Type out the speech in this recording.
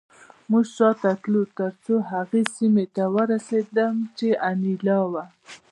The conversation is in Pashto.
موږ شاته تلو ترڅو هغې سیمې ته ورسېدم چې انیلا وه